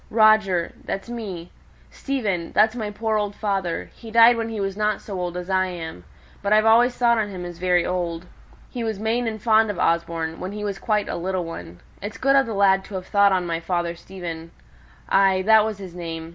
"'Roger,' that's me, 'Stephen,' that's my poor old father: he died when he was not so old as I am; but I've always thought on him as very old. He was main and fond of Osborne, when he was quite a little one. It's good of the lad to have thought on my father Stephen. Ay! that was his name.